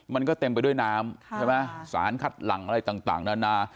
มันก็เต็มไปด้วยน้ำใช่ไหมสารคัดหลังอะไรต่างนานา